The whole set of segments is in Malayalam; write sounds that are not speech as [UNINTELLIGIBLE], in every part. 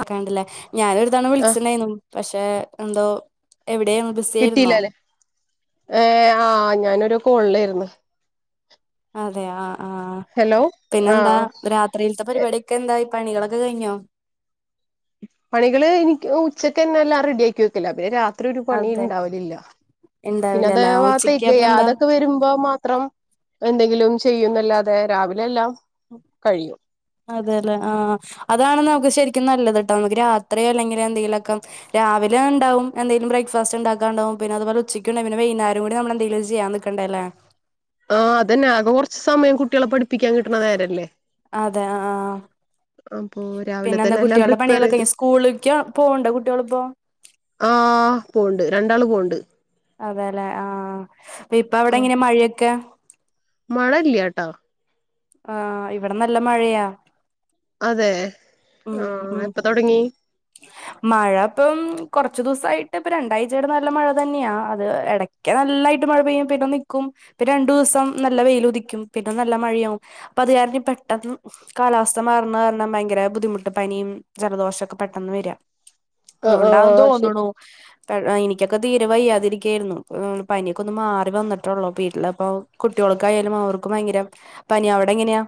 ആ കണ്ട്ല്ലേ ഞാനൊരുതവണ ആഹ് വിളിച്ചിണ്ടായിനു പക്ഷെ എന്തോ എവിടെയായിരുന്നു ബിസി ആയിരുന്നോ കിട്ടിയില്ലല്ലേ ഏ ആ ഞാനൊരു കോളിലായിരുന്ന് അതെ ആ ആ ഹലോ പിന്നെന്താ ആഹ് രാത്രിയിലത്തെ പരിപാടിയൊക്കെ എന്തായി പണികളൊക്കെ കഴിഞ്ഞോ പണികള് എനിക്ക് ഉച്ചക്ക് തന്നെ എല്ലാം റെഡിയാക്കി വെക്കല പിന്നെ ര ത്രി ഒരു പണി അതെ ഉണ്ടാവലില്ല പിന്നെ അതെ ഇണ്ടാവില്ലല്ലേ ഉച്ചക്ക് വത്തേക്ക് അപ്പ എന്താ ആതക്കെ വരുമ്പോ മാത്രം എന്തെങ്കിലും ചെയ്യുന്നല്ലാതെ രാവിലെ എല്ലാം കയും അതെല്ലേ ആ അതാണ് നമുക്ക് ശരിക്കും നല്ലതേട്ടോ നമുക്ക് രാത്രിയോ അല്ലെങ്കില് എന്തെങ്കിലൊക്ക ര രാവിലെണ്ടാവും. എന്തേലും ബ്രേക്ക്ഫാസ്റ്റ് ഒണ്ടാക്കാണ്ടാവും പിന്നെതുപോലെ ഉച്ചക്കുണ്ടായ് പിന്നെ വയ്യ്ന്നേരോം കൂടി നമ്മളെന്തങ്കിലും ചെയ്യാൻ നിക്കണ്ട ല്ലേ ആ അതന്നെ ആകെ കൊറച്ച് സമയം കുട്ടികളെ പഠി പ്പിക്കാൻ കിട്ടണ നേരല്ലേ അപ്പൊ രാവിലെ പിന്നെന്താ തന്നെ എല്ലാം കുട്ട്യളുടെ പ്രിപ്പയർ പണികളൊക്കെ ചെയ്ത് ങ്ങോ സ്കൂള്‌ലേക്കാ പോവ്ണ്ട കുട്ട്യളിപ്പോ ആ പോണ്‌ണ്ട് രണ്ടാള് പോണ്‌ണ്ട് അതെല്ലേ ആആ ഇപ്പ അവ്ടെങ്ങിനാ മഴേക്കെ മഴല്ല്യാട്ട ആ ഇവട നല്ല മഴയാ അതെ ഉം ആ ഉം എപ്പൊ തൊടങ്ങി മഴ ഇപ്പം കൊറച്ച് ദിവസായിട്ട് ഇപ്പ രണ്ടാഴ്ചയാറ്റ് നല്ല മഴ തന്നെയാ അത് എടക്ക് നല്ലായ് ഇട്ട് മഴ പെയ്യും പിന്നെ നിക്കും പിന്നെ രണ്ടുസം നല്ല വെയിലുദിക്കും. പിന്ന നല്ല മഴയാവും. അപ്പ അത് കാരണി പെ പെട്ടെന്ന് കാലാവസ്ഥ മാറുന്ന കാരണം ഭയങ്കര ബുദ്ധിമുട്ട് പനിയും ജലദോഷോക്ക പെട്ടെന്ന് വര്ആ ആഹ് അതുകൊണ്ടാന്ന് ആഹ് ശരി തോന്ന്ണു പ്പഴ് ആ എനിക്കൊക്ക തീരെ വയ്യാതിരിക്കയായിരുന്നു. ആ പനി ഒക്കെ ഒന്ന് മാറി വന്നിട്ടൊള്ളൂ വീട്ടിലപ്പോ കുട്ടി ക്കായാലും ഓർക്കും ഭയങ്കര പനി അവ്ടങ്ങനെയാ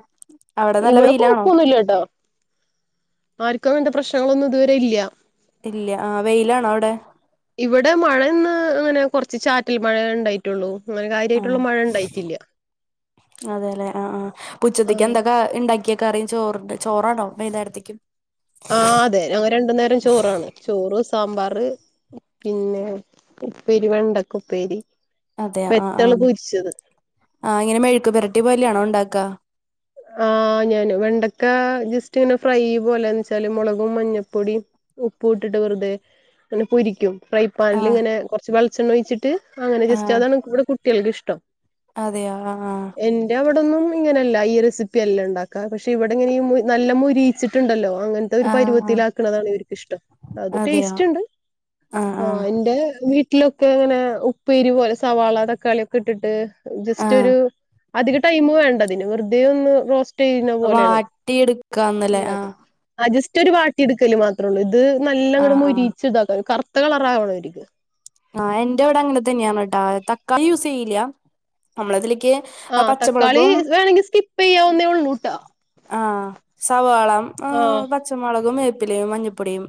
ഇവിട കൊഴപ്പൊന്നുല്ല്യാട്ടോ ആര്ക്കും അങ്ങനത്ത പ്രശ്നങ്ങളൊന്നും ഇതുവരെ ഇല്ല്യ ഇല്ല്യ ആ വെയിലാണോ അവ്ടെ ഇവടെ മഴന്ന് അങ്ങനെ കൊറച്ച് ചാറ്റൽ മഴേണ്ടായിറ്റൊള്ളൂ അങ്ങനെ ആ കാര്യായിട്ടുള്ള മഴണ്ടായിറ്റില്ല പ്പുച്ചത്തയ്ക്ക് എന്തൊക്കാ ഇണ്ടാക്കിയെക്ക അറിയും ചോറ്ണ്ട് ചോറാണോ വയ്യ് ന്നേരത്തക്കും ആഹ് അതെ ഞങ്ങ രണ്ടു നേരം ചോറാണ് ചോറ് സ് സാമ്പാറ് പിന്നെ ഉപ്പേരി വെണ്ടക്ക ഉപ്പേരി അതെ ആ ആ ബെത്തള് പൊരിച്ചത് ആ ഇങ്ങനെ മെഴുക്ക്പിരട്ടി പോലെയാണോ ഉണ്ടാക്കാ ആ ഞാന് വെണ്ടക്ക ജസ്റ്റ് ഇങ്ങനെ ഫ്രൈ പോലെ എന്ന് ച്ചാല് മൊളകും മഞ്ഞപ്പൊടീം ഉപ്പൂട്ടിട്ട് വെറുതെ ങ്ങനെ പൊരിക്കും ഫ്രൈ ആ പാനിൽ ഇങ്ങനെ കൊറച്ച് വെളിച്ചെണ്ണ ഒഴിച്ചിട്ട് അങ്ങനെ ആ ജസ്റ്റ് അതാണ് ഇവിടെ കുട്ടികൾക്ക് ഇഷ്ടം അതെയോ ആ ആ ഇവിടൊന്നും ഇങ്ങനല്ല ഈ റെസിപ്പി അല്ലണ്ടാക്കാ പക്ഷെ ഇവിടെ ഇങ്ങനെയും മു നല്ല മുരിയിച്ചിട്ടൊണ്ടല്ലോ അങ്ങനത്തെ ഒരു ആ ആ പരിവത്തിലാക്ക്ണതാണ്ര്ക്കിഷ്ടം. അതെയോ ടേസ്റ്റ്ണ്ട് ആ എന്റെ വീ വീട്ടിലൊക്കെ ഇങ്ങനെ ഉപ്പേരി പോലെ സവാള തക്കാളി ഒക്കെ ഇട്ടിട്ട് ആ ജസ്റ്റ് ഒരു അധിക ടൈമ് വേണ്ടതിന് വെറുതെ ഒന്ന് റോസ് റ്റെയ്‌ന പോലെ ആണ് വാട്ടിയെടുക്കാന്നല്ലേ ആ ഇണ്ടാക്കാ ആജിസ് ഒരു വാ ട്ടി യെടുക്കൽ മാത്രമേയുള്ളു ആ ആ ആഹ് എന്റെ അവിടെ അങ്ങനെ തന്നെയാണ് കേട്ടാ തക്കാളി യൂസ് ചെയ്യില്ല നമ്മളതില് ആതക്കാളി വേണെങ്കി സ്കിപ്പ് യ്യാവുന്നേ ഉള്ളൂട്ടാ ആ സവാ ആ പ്പിലയും മഞ്ഞപ്പൊടിയും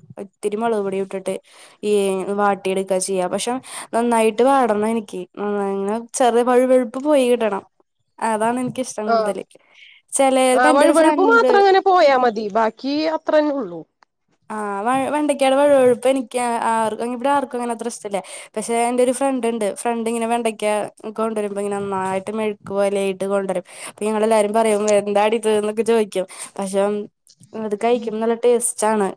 പക്ഷം നന്നായി ട്ട് വടണമെനിക്ക് ഉം ചെറിയ വഴുവഴുപ്പ് പോയികിട്ടണം - അതാണ് എന് ആ എന്റെ ആവഴു ഒരു വഴു ഫ്രണ്ട് മാത്രം അങ്ങനെ പോയാ മതി ബാക്കി അത്രന്നെ ഉള്ളൂ ആ വഴ് വെണ്ടക്കാടെ വഴുവഴുപ്പ് എനിക്ക് ആ ആറ് എങ്ങ് ഇവ്ടെ ആർക്കും അങ്ങനെ അത്ര ഇഷ്ടല്ലാ പഷേ എന്റെ ഒരു ഫ്ര ഫ്രണ്ട് ഇണ്ട് ഫ്രണ്ട് ഇങ്ങനെ വെണ്ടക്ക കൊണ്ടുവരുമ്പോ ഇങ്ങന നന്നായിട്ട് മെഴുക്കു പോലെയിട്ട് കൊണ്ടരുംപ്പോ ഞങ് എല്ലാരും പറയും എന്താടി ഇത് എന്നൊക്കെ ചോദിക്കും പക്ഷെ അം അത് കഴിക്ക്മ്പ നല്ല ടേസ്റ്റ് ആണ്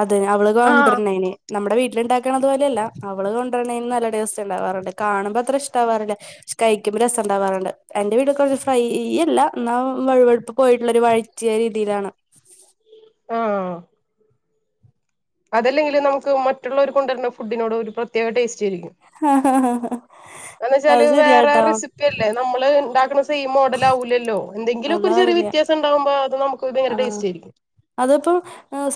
അതെ അവള് ആഹ് കൊണ്ടര് ണേണ് നമ്മ്ടെ വീ ര് ഇണ്ടാക്കണതു പോലെയല്ല അവള് കൊണ്ടരണേ നല്ല ടേസ്റ്റ് ഉണ്ടാവാറുണ്ട് കാണുമ്പ അത്ര ഇഷ്ടവാറില്ല പഷ് കഴിക്ക് രസം ഇണ്ടാവാറുണ്ട് എന്റെ വീട്ട് കൊറച്ച് ഫ്രൈ അല്ല എന്നാ വഴുവഴുപ്പ് പോയിട്ടുള്ളൊരു വഴറ്റിയ രീതിയിലാണ് ആ അതല്ലെങ്കിൽ നമുക്ക് മറ്റുള്ളവർ കൊണ്ടുവരുന്ന ഫുഡിനോട് ഒരു പ്രത്യേക ടേസ് ചിരിക്കും എന്ന വെച്ചാല് അത് വേറെ ശരിയാട്ടോ റെസിപ്പി അല്ലേ നമ്മള് ഉണ്ടാ സെയിം മോഡൽ ആവുലല്ലോ എന്തങ്കിലും ഒക്കെ ഒരു ചെറിയ അതാവില്ല വ്യത്യാസംണ്ടാവുമ്പോ അത് നമുക്ക് ഭയങ്കര ടസ്റ്റ് ആരിക്കും അതിപ്പം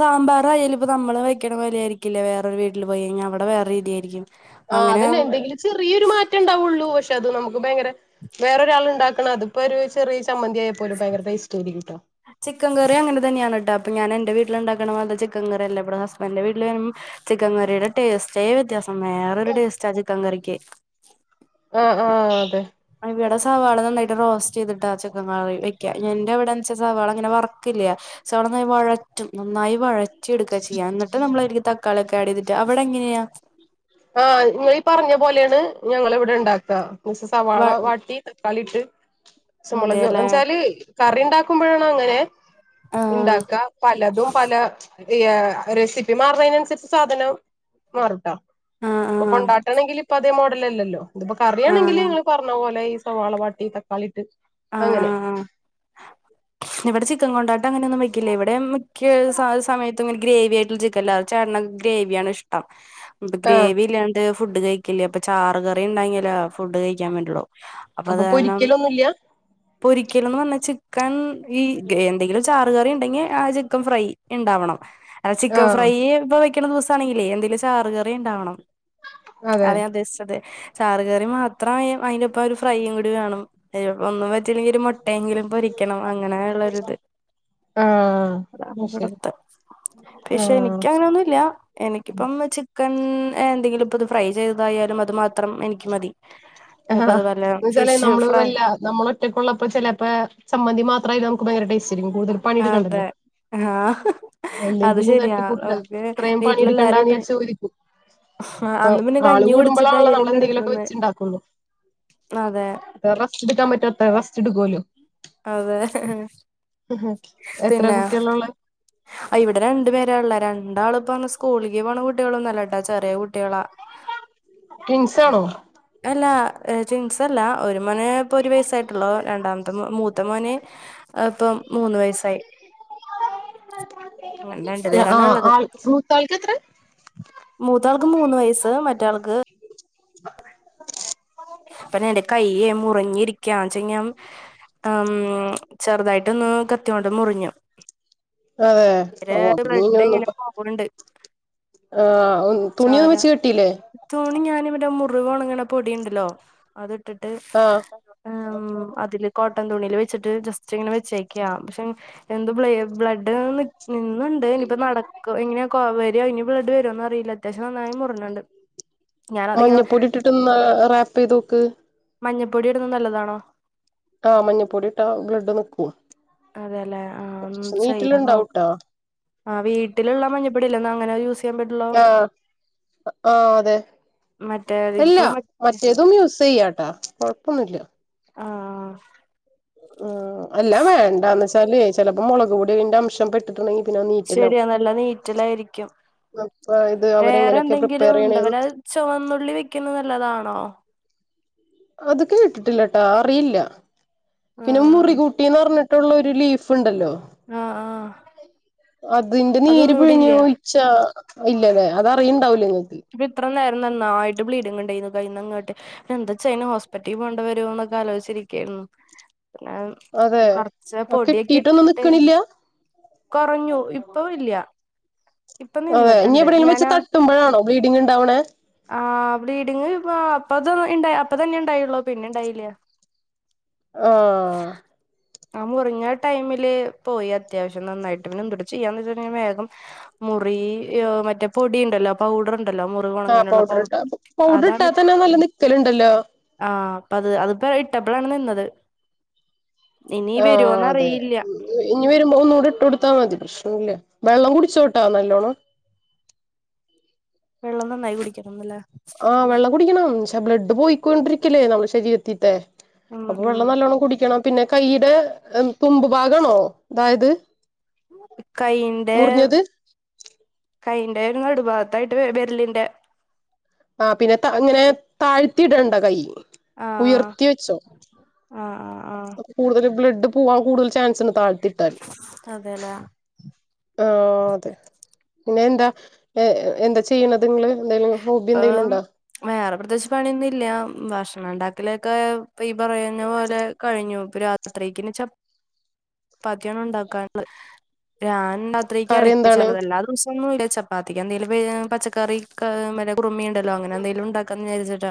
സാമ്പാറ ആയാലും ഇപ്പ നമ്മള് വക്കണ പോലെയയിരിക്കില്ലേരു വീട്ടിൽ പോയി കഴിഞ്ഞാൽ അവിടെ വേറെ രീതി ആയിരിക്കും ആഹ് അതന്നെ എന്തെങ്കിലും ചെറിയൊരു മാറ്റം ഉണ്ടാവുള്ളൂ പക്ഷെ പക്ഷെ അത് നമുക്ക് ഭയങ്കര വേറൊരാൾ ഉണ്ടാക്ക്ണ അതിപ്പോ ഒരു ചെറിയ ചമ്മന്തി ആയ പോലും ഭയങ്കര ടേസ്റ്റി ആയിരിക്കുട്ടോ ചിക്കൻ കറി അങ്ങനെ തന്നയാണ് ട്ടോ അപ്പൊ ഞാന്റെ വീട്ടിലണ്ടാക്കണ പോലെ ചിക്കൻ കറില്ല ഇവിടെ ഹസ്ബന്റെ വീട്ടിലും ചിക്കൻ കറിയുടെ ടേസ്റ്റേ വ്യത്യാസം വേറൊരു ടേസ്റ്റാ ചിക്കൻ കറിക്ക് ആ ആ അതെ ഇവിടെ സവാള നന്നായിട്ട് റോസ്റ്റ് ചെയ്തിട്ട് ചിക്കൻ കറി വക്ക എന്റെ അവിടെന്ന്ച്ച സവാള അങ്ങനെ വർക്കല്ല സവാളന്നായി വഴറ്റും നന്നായി വഴും ച്ചി എടുക്കുക ചെയ്യാ എന്നിട്ട് നമ്മൾക്ക് തക്കാളി ഒക്കെ ആഡ് ചെയ്തിട്ട് അവിടെ എങ്ങനെയാ ആ നിങ്ങീ പറഞ്ഞ പോലെയാണ് ഞങ്ങ ഇവിടെ ഉണ്ടാക്കുക എന്നച്ച വ സവാള വാട്ടി തക്കാളി ഇട്ട് പ ച്ചമുളക് അതെല്ലേ എന്നെച്ചാല് കറി ഉണ്ടാക്കുമ്പോഴാണ് അങ്ങനെ ആഹ് ഉണ്ടാക്ക പലതും പല ഈ റെസിപ്പി മാറുന്നതിനനുസരിച്ച് സാധനം മാറൂട്ടോ ആഹ് ഇപ്പൊ ആഹ് കൊണ്ടാട്ടണെങ്കിൽ ഇപ്പൊ അതേ മോഡല അല്ലോ ഇതിപ്പോ കറിയാണെങ്കിൽ ആഹ് നിങ്ങള് പറഞ്ഞ പോലെ ഈ സവാളവാട്ടി തക്കാളിട്ട് ആഹ് അങ്ങനെ ആഹ് ഇവിടെ ചിക്കൻ കൊണ്ടാട്ടം അങ്ങനെയൊന്നും വെക്കില്ലേ ഇവിടെ മിക്ക സമയത്ത് തിമ്മ ഗ്രേവി ആയിട്ടുള്ള ചിക്കല്ല ചേട്ടന ഗ്രേവിയ ആണ് ഇഷ്ടം ആഹ് ഗ്രേവി ഇല്ലാണ്ട് ഫുഡ് കഴിക്കില്ലേ അപ്പ ചാറ് കറിണ്ടെങ്കിലാ ഫുഡ് കഴിക്കാൻ പറ്റുള്ളോ അപ്പപ്പോരിക്കല ഒന്നുമല്ല പൊരിക്കലന്ന് പറഞ്ഞാ ചിക്കൻ ഈ എന്തെങ്കിലും ചാ ചിക്കൻക്കറിയുണ്ടെകി ആ ചിക്കൻ ഫ്രൈ ഇണ്ടാവണം ചിക്കൻ ആഹ് ഫ്രൈ ഇപ്പോ വെക് വെക്കുന്ന ദിവസ ആണെങ്കിലേ എന്തേലും ചാറുകറി ഉണ്ടാവണം അത അതെ ഞാൻ ഉദ്ദേശിച്ചത് ചാറുകറി മാത്രമായി അതിന്പ്പ ഒരു ഫ്രൈയും കൂടി വേണം അ ഒന്നും പറ്റില്ലെങ്ക ഒരു മുട്ടയെലും [UNINTELLIGIBLE] അങ്ങനെ ഉള്ളരിത് അതാണ് ആഹ് ശരി ഇവിടത്തെ പക്ഷെ ആഹ് എനിക്ക് അങ്ങനെന്നുമല്ല എനിക്കിപ്പം ചി ചിക്കൻ എന്തെങ്കിലും ഇപ്പ ഇത് ഫ്രൈ ചെയ്തതായാലും അത് മാത്രം എനിക്ക് മതി ആ ഇപ്പ അതുപോലെ എന്ന വെച്ചാലേ ഫിഷ് നമ്മള് ഫ്രൈ വല്ല നമ്മൾ ഒറ്റക്കുള്ളപ്പോ ചിലപ്പോ ചമ്മന്തി മാത്ര മാത്ര നുക്ക് ഭയങ്കരടേസ്റ്റ് ആരിക്കും കൂടുതൽ പണിയടു കണ്ടല്ലോ അതെ ആഹ് അത് അല്ലെങ്കിലും ശരിയാ തട്ടിക്കൂട്ടുക നമുക്ക് ഇത്രയും വീട്ടിലെല്ലാരും പണിെടുക്കണ്ടന്ന് ഉണ്ട് വിചായിരിക്കു ഇപ്പൊ അന്ന് പിന്നെ ആള് കഞ്ഞി കൂടുമ്പോൾ ആല്ല കുടിച്ചിട്ടായാലും നമ്മളെന്തെങ്കിലു ഒക്കെ കെടക്കുന്നെ വെച്ചിണ്ടാക്കുള്ളൂ അതെ റെസ്റ്റെടുക്കാൻ പറ്റാത്ത റെസ്റ്റ് എടുക്കുവല്ലോ അതെ എത്ര പിന്നെ കുട്ടികളാള്ളെ ഇവിടെ രണ്ടുപേരായുള്ളേ രണ്ടാളും പന്ന സ്കൂളിക്ക് പോണ കുട്ടികളന്നുംല്ല ചെറിയ കുട്ടികളാ ട്വിൻസാണോ അല്ല [UNINTELLIGIBLE] ല്ല ഒരു മന ഇപ്പൊ ഒരു വയസായിട്ടുള്ളൂ രണ്ടാമത്തെ മൂത്ത മോൻ [UNINTELLIGIBLE] മൂന്ന് വയസായി അങ്ങനെ രണ്ടു പേരാണ് ആഹ് ഉള്ളത് ആൾ മൂത്താൾക്ക് എത്ര മൂത്താൾക്ക് മൂന്ന് വയസ്സ് മറ്റാൾക്ക് [INAUDIBLE] ഇപ്പ എന്റെ കയ്യേ മുറിഞ്ഞിരിക്ക ചിങ്ങ ഉം ചെറുതായിട്ടൊന്ന് കത്തികൊണ്ട് മുറിഞ്ഞു അതെ ഓ ബ്ലഡ് ഇങ്ങനെ [UNINTELLIGIBLE] പോവണ്ട് ആ ചോര തുണിയൊന്നും വെച്ച് കെട്ടില്ലേ തുണി ഞാൻ മുറിവ് ഒണങ്ങണപൊടിയുണ്ടല്ലോ അതിട്ട്ട്ട് ആഹ് ഉം അതില കോ ട്ടൻ തുണിയില് വെച്ചിട്ട് ജസ്റ്റ് ഇങ്ങനെ വെച്ചേക്കാം പഷേ എന്ത് ബ്ല ബ്ലഡ് നിന്ന്ണ്ട് ഇനിപ്പ നടക്കും എങ്ങനെയാക്ക്‌ ആവേ ഇനി ബ്ലഡ് വരുവോന്ന് അറിയില്ല അത്യാവശ്യം നന്നായി മുറിഞ്ണ്ട് മഞ്ഞപ്പൊടി ഇട്ടിട്ട്ന്ന് ന റാപ്പ് ചെയ്ത് ദോക്ക് മഞ്ഞൾപ്പൊടി ഇട്ന്നത് നല്ലതാണോ ആ മഞ്ഞപ്പൊടിട്ടാ ബ്ലഡ് നിക്കും അതെലെ ആ ഒന്ന് കുറച്ച് ചെയ്ത് നോക്കാം നീറ്റലുണ്ടാവൂട്ടോ ആ വീട്ടില്ള്ള മഞ്ഞൾപ്പൊടില്ലാന്നാ അങ്ങനെ യൂസ് ചെയ്യാൻ പറ്റുള്ളൂ ആ ആ അതെ മറ്റേ ഇല്ല ഇപ്പൊ മറ്റേ മറ്റേതും യൂസ് ചെയ്യാട്ടാ കൊഴപ്പൊന്നുമല്ല ആആ ആ അല്ല വേണ്ടന്ന്ച്ചാലെ ചേലപ്പോ മൊളക് പൊടിന്റെ അംശം പെട്ട് ശരിയാ നല്ല നീറ്റലാരിക്കും അപ്പൊ ഇത് വേറെ അവരെങ്ങനെയൊക്കെ പ്രിപ്പയർ എന്തങ്കിലും ഉണ്ടോ ചെയ്യണേന്ന് വല്ല ചുവന്നുള്ളി വെക്കുന്നത് നല്ലതാണോ അതൊക്കെ കേട്ടിട്ടില്ല ട്ടാ അറിയില്ല പിന്നെ ആഹ് മുറികൂട്ടിന്ന് പറഞ് ട്ടൊള്ള ഒര് ലീഫ് ണ്ട്ല്ലോ ആഹ് ആഹ് അതിന്റെ നീര് അതൊന്നും ഇവിടെ പിഴിഞ് ഇല്ല ഒഴിച്ചാ ഇല്ലലെ അതറിയ്ണ്ടാവില്ല നീ പിത്രനേ നന്നായിട്ട് ബ്ലീഡിങ്ങ് ണ്ടായിന്നു കൈന്ന് അങ്ങട്ട് എന്താചെയ്യ്ണെ അയ്ന് ഹോസ്പിറ്റി പോണ്ട വരുവോ ന്നൊക്കെ ആലോയിച്ചിരിക്കായിരുന്നു ഉം പിന്നെ അതെ കൊറച്ച് പൊടിയൊക്കെ കെട്ടിട്ടൊന്നും ഇട്ട് നിക്കണില്ല കൊറഞ്ഞു ഇപ്പം ഇല്ല ഇപ്പൊ അതെ ഇനി നിന്നിട്ടുണ്ട് എവിടെലും വെച്ച് ഞാനാ തട്ടുമ്പഴാണോ ബ്ലീഡിംങ്ങ് ഉണ്ടാവ്ണേ ആ ബ്ലീഡിങ്ങ് ഇപ്പ അപ്പ അപ്പ തന്നെ ഇണ്ടായോള്ളു പിന്നെ ഇണ്ടായില്ല ആ ആ മുറിഞ്ഞ ടൈമില് പോയി അത്യാവശ്യം നന്നായിട്ട് പിന്നെ എന്തുട്ട് ചെയ്യാൻ വിചാരിച്ചു വേഗം മുറു ഈ മറ്റേ പൊടി ഇണ്ടല്ലോ പൗഡർ ഉണ്ടല്ലോ മുറിവ് ഉണങ്ങാനുള്ള ആപൗഡർ ഇട്ട് പൗഡർ പൗഡർ അതാണ് ഇട്ടാതന്നെ ഇട്ടിട്ട് നല്ലം നിക്കല്ണ്ടല്ലോ ആഹ് അപ്പൊ അത് അതിപ്പ ഇട്ടപ്പളാണ് നിന്നത് ഇനി ആ വരുവോന്ന് അതെ അറിയില്ല ഇനി വരുമ്പോ ഒന്നൂടി ഇട്ട് കൊടുത്താ മതി പ്രശ്നൊന്നുല്ല വെള്ളം കുടിച്ചോട്ടൊ നല്ലോണം വെള്ളം നന്നായി കുടിക്കാ ആഹ് വെള്ളം കുടിക്കണം ഷേ ബ്ലഡ് പോയിക്കൊണ്ടിരിക്കല്ലേ നമ്മുടെ ശരീരതീത്തെ ഉം അപ്പൊ ഉം വെള്ളം നല്ലോണ്ണം കുടിക്കണം പിന്നെ കൈടെ തുമ്പ് ഭാഗണോ ഇതായത് കൈയിന്റെ കൈയിന്റെ നടു ഭാത്തായിട്ട് വെരലിന്റെ ആ പിന്നെ ത ഇങ്ങനെ കത്തി താഴ്ത്തി ഇടണ്ട കൈ ആഹ് ഉയർത്തി വെച്ചോ ആഹ് ആഹ് ആഹ് കൂടുതൽ ബ്ലഡ് പൂവാൻ കൂടുതൽ ചാൻസ് ണ്ട് താഴ്ത്തിട്ടാല് അതെല്ലേ ആ അതെ പിന്നെ എന്താ എന്താ ചെയ്യണ ഇപ്പ വേറെ പ്രത്യേയിച്ച് പണിയൊന്നുംഇല്ല ഭക്ഷണം ണ്ടാക്കല്ക്കെ പ്പ ഈ പറഞ്ഞ പോലെ കഴിഞ്ഞു രാത്രിക്ക് ഇനി ച പ്പാത്തിആണ് ണ്ടാക്കാൻ ള്ളത് രാത്രിക്ക്‌ കറി എടക്ക് എന്താണ് ചെലവല്ലാ ദിവസോം ഒന്നും ഇല്ല ചപ്പാത്തിക്ക് എന്തെലും വെ പച്ചക്കറി ക് മറ്റേ കുറുമേണ്ടല്ലോ അങ്ങനെ എന്തെലും ഉണ്ടാക്കാന്ന് വിചാരിച്ച്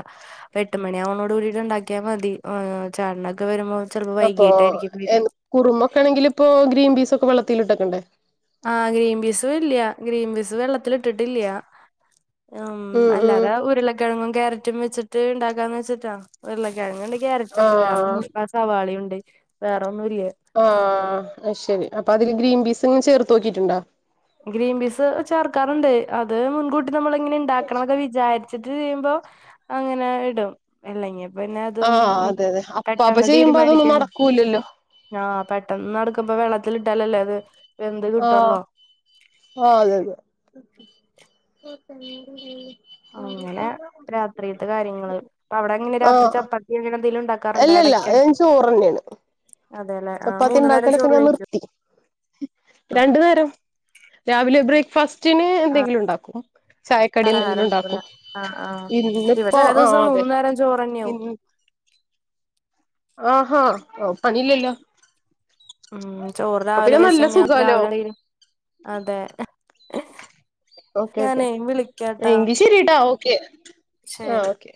എട്ട് മണിവ്ണോട് കൂടിട്ട് ഉണ്ടാക്കിയാ മതി ചേട്ടനൊക്കെ വരുമ്പം അപ്പൊ കുറുമൊക്കെ ആണെങ്കിൽ ഇപ്പോ ഗ്രീൻ പീസ് ഒക്കെ വെള്ളത്തില്ട്ടക്കണ്ടേ ആഹ് ഗ്രീൻ പീസ് ഇല്ല്യാ ഗ്രീൻ ബീസ് വെള്ളത്തില് ഇട്ടിട്ടില്ല്യാ ഉം അല്ലാതെ ഉരുളക്കെഴങ്ങും ക്യാരറ്റും വെച്ചിട്ട് ഉണ്ടാക്കാന്ന് വെച്ചിട്ടാ ഉരുളക്കിഴങ്ങ്ണ്ടെ കാരറ്റ് ണ്ട് ആഹ് വേറേന്നുല്ല ആ സവാളെണ്ട് വേ ആഹ് അയ്ശെരി അപ്പ അതില് ഗ്രീൻ പീസ് ഇങ്ങനെ ചേർത്ത് നോക്കിട്ട്ണ്ടോ ഗ്രീൻ പീസ് ചേർക്കാറുണ്ട് അത് മുൻകൂട്ടി നമ്മള് ഇങ്ങനെ ഉണ്ടാക്കണന്നൊക്കെ വിചാരിച്ചിട്ട് ചെയ്യുമ്പോ അങ്ങനെ ഇടും അല്ലെങ്ക പിന്നെ അതു ആഹ് അതെ അതെ അപ്പാപ്പ പെട്ടെന്ന് ചെയ്യുമ്പോ തീരുമാനിക്കു അതൊന്നും നടക്കൂലല്ലോ ആ പെട്ടെന്ന് നടക്കുമ്പ വെള്ളത്തിട്ടാലല്ലേ അത് വെന്ത് കിട്ടുള്ളു ആ അതെ അതെ അങ്ങനെ രാത്രിത്തെ കാര്യങ്ങള് അപ്പ അവിടെ എങ്ങനെ രാത്രി ആ ചപ്പാത്തി അങ്ങനെ എന്തെങ്കിലും ഉണ്ടാക്കാറുണ്ടോ അല്ലല്ല ഇടയ്ക്ക് ഞാൻ ചോറ്ന്നെയാണ് അതെല്ലെ ആ ചപ്പാത്തി മൂന്നു നേരം ഉണ്ടാക്കലൊക്കെ ചോറ് ഞാൻ കഴിക്കും നിർത്തി രണ്ടു നേരം രാവിലെ ബ്രേക്ക്ഫാസ്റ്റ് റ്റിന് ആ എന്തെങ്കിലും ഉണ്ടാക്കും ചായക്കടി എന്തെങ്കിലും പലഹാരം ഉണ്ടാക്കും എടുക്കൂല ഇന്നിപ്പോ ആ അതെ മൂന്ന് നേരം ചോറ്ന്നെയയാവും ആ ഹ പണില്ലല്ലോ ഉം ചോറ് രാവിലെ പിന്നെ നല്ല വെച്ചങ്ങ സുഖാലോ രാവിലെ അതെ ഓക്കെ ഓക്കെ ഞാനേ വിളിക്കാട്ടാ എങ്കി ശരിട്ടാ ഓക്കെ ആ ശരി ഓക്കെ